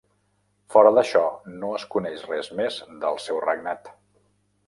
Fora d'això no es coneix res més del seu regnat.